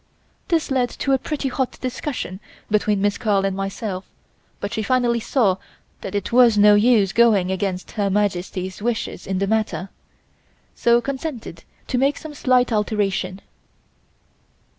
This led to a pretty hot discussion between Miss Carl and myself but she finally saw that it was no use going against Her Majesty's wishes in the matter, so consented to make some slight alteration.